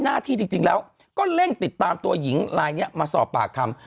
หน้าที่จริงแล้วก็เร่งติดตามตัวหญิงลายนี้มาสอบปากคำ